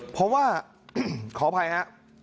เพราะว่าขออภัยฮะ